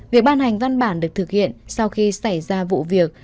việc ban hành văn bản được thực hiện sau khi xảy ra vụ việc